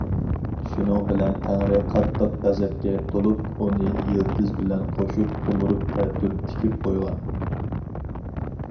شۇنىڭ بىلەن تەڭرى قاتتىق غەزەپكە تولۇپ، ئۇنى يىلتىزى بىلەن قوشۇپ قومۇرۇپ تەتۈر تىكىپ قويغان.